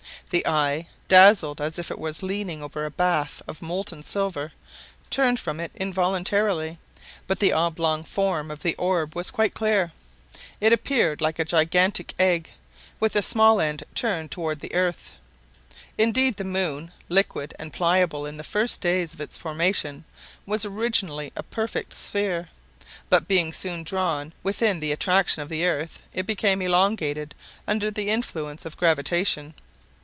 The eye, dazzled as if it was leaning over a bath of molten silver, turned from it involuntarily; but the oblong form of the orb was quite clear. It appeared like a gigantic egg, with the small end turned toward the earth. Indeed the moon, liquid and pliable in the first days of its formation, was originally a perfect sphere; but being soon drawn within the attraction of the earth, it became elongated under the influence of gravitation.